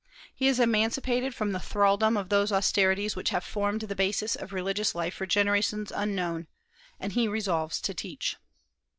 He is emancipated from the thraldom of those austerities which have formed the basis of religious life for generations unknown, and he resolves to teach.